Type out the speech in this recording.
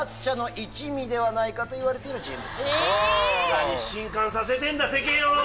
何震撼させてんだ世間を！